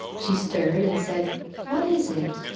She stirred and said, " What is it